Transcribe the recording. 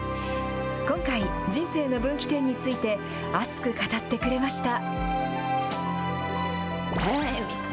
今回、人生の分岐点について、熱く語ってくれました。